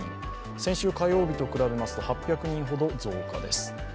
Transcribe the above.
先週火曜日と比べますと８００人ほど増加です。